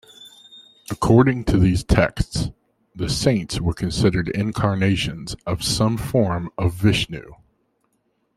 According to these texts, the saints were considered incarnations of some form of Vishnu.